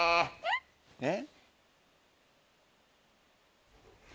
えっ？